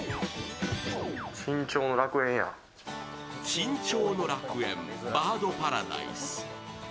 珍鳥の楽園、バードパラダイス。